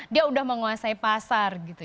dia udah menguasai pasar gitu